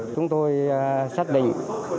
chúng tôi xác định